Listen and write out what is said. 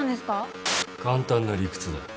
簡単な理屈だ。